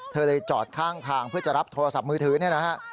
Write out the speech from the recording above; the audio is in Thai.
เธอเลยจอดข้างทางเพื่อจะรับโทรศัพท์มือถือเนี่ยนะฮะ